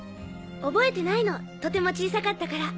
覚えてないのとても小さかったから。